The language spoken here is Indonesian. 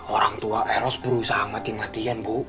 orang tua eros berusaha mati matian bu